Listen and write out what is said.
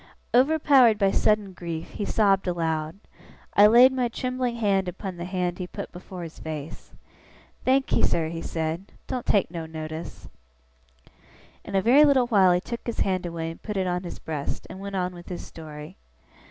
Overpowered by sudden grief, he sobbed aloud. I laid my trembling hand upon the hand he put before his face. 'Thankee, sir,' he said, 'doen't take no notice.' In a very little while he took his hand away and put it on his breast, and went on with his story.